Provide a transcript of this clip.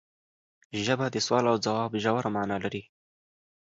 ژبه د سوال او ځواب ژوره معنی لري